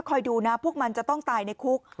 ดูนะพวกมันจะต้องตายในคุก